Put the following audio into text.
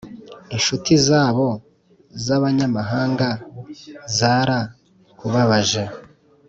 Inshuti zabo z ‘abanyamahanga zara kubabaje.